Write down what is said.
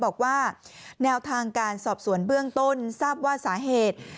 บอกว่าแนวทางการสอบสวนเบื้องต้นทราบว่าสาเหตุ